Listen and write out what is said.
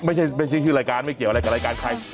ไม่ใช่ชื่อรายการไม่เกี่ยวอะไรกับรายการใคร